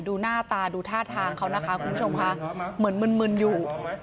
ดูหน้าตาดูท่าทางเขานะคะคุณผู้ชมค่ะเหมือนมึนอยู่